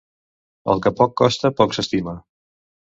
El que poc costa, poc s'estima.